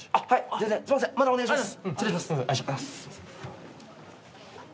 お願いします。